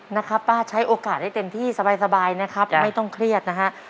นะครับป้าใช้โอกาสให้เต็มที่สบายนะครับไม่ต้องเครียดนะฮะ